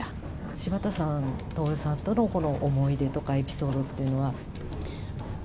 柴田さん、徹さんとの思い出とか、エピソードっていうのは。